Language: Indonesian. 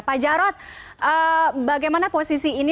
pak jarod bagaimana posisi ini